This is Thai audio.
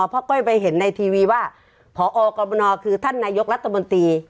เพราะก้อยไปเห็นในทีวีว่าพอกรมนคือท่านนายกรัฐมนตรี